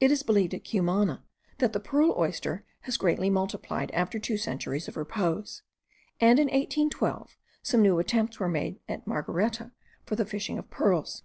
It is believed at Cumana, that the pearl oyster has greatly multiplied after two centuries of repose; and in 1812, some new attempts were made at Margareta for the fishing of pearls.